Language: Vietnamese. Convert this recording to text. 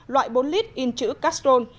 loại bốn lit in chữ castrol